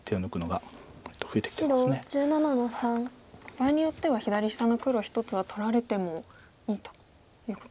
場合によっては左下の黒１つは取られてもいいということ。